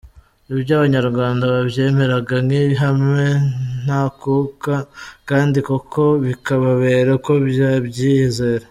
Ibyo Abanyarwanda babyemeraga nk’ihame ntakuka, kandi koko bikababera uko babyizera.